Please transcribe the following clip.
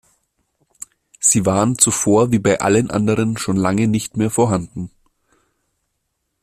Sie waren zuvor wie bei allen anderen schon lange nicht mehr vorhanden.